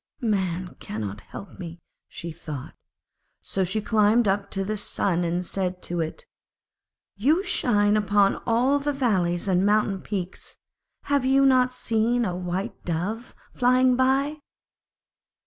'Man cannot help me,' she thought. So she climbed up to the Sun and said to it, 'You shine upon all the valleys and mountain peaks, have you not seen a White Dove flying by?'